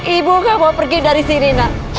ibu kamu pergi dari sini nak